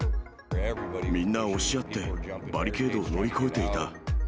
みんな押し合って、バリケードを乗り越えていた。